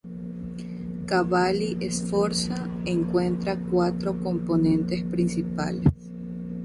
Cavalli-Sforza encuentra cuatro componentes principales.